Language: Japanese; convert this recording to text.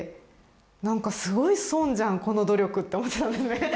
なんか「すごい損じゃんこの努力」って思っちゃったんですね。